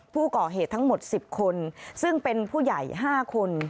ผู้ก่อเหตุทั้งหมด๑๐คนซึ่งเป็นผู้ใหญ่๕คน